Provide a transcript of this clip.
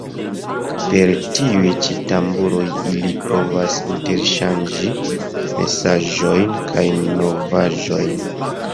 Per tiuj ĉi tamburoj ili povas interŝanĝi mesaĝojn kaj novaĵojn.